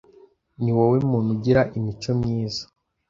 Ni wowe muntu ugira imico myiza